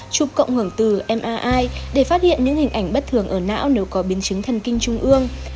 chụp cộng hưởng từ m ai để phát hiện những hình ảnh bất thường ở não nếu có biến chứng thần kinh trung ương